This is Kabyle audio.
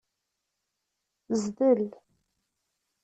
Zdel.